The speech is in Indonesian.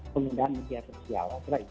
penggunaan media sosial